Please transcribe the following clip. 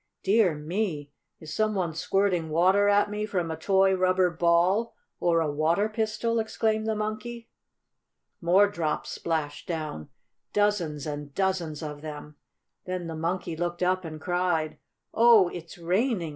"Dear me! is some one squirting water at me from a toy rubber ball or a water pistol?" exclaimed the Monkey. More drops splashed down, dozens and dozens of them. Then the Monkey looked up and cried: "Oh, it's raining!